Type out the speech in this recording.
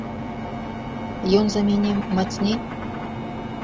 Ён за мяне мацней?